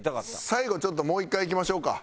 最後ちょっともう１回いきましょうか。